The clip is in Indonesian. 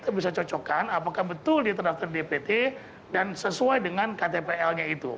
apakah ini bisa dicocokkan apakah betul dia terdaftar di dpt dan sesuai dengan ktbl nya itu